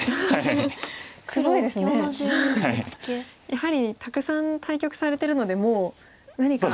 やはりたくさん対局されてるのでもう何か。